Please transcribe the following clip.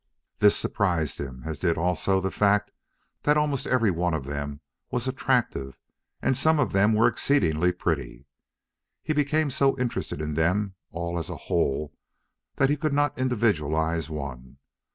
This surprised him, as did also the fact that almost every one of them was attractive and some of them were exceedingly pretty. He became so interested in them all as a whole that he could not individualize one.